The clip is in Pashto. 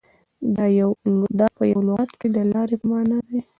• دایو په لغت کې د لارې په معنیٰ دی.